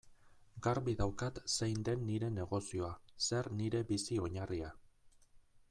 Garbi daukat zein den nire negozioa, zer nire bizi-oinarria.